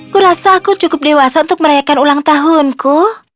kurasa aku cukup dewasa untuk merayakan ulang tahunku